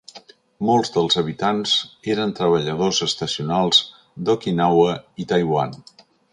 Molts dels habitants eren treballadors estacionals d'Okinawa i Taiwan.